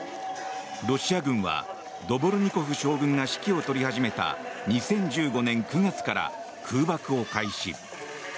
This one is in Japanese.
ロシア軍はドボルニコフ将軍が指揮を執り始めた２０１５年９月から空爆を開始。